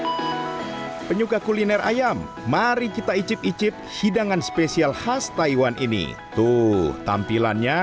hai penyuka kuliner ayam mari kita icip icip hidangan spesial khas taiwan ini tuh tampilannya